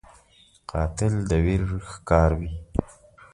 قاتل د ویر ښکاروي